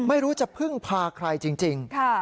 ไม่รู้จะพึ่งพาใครจริงจริงค่ะ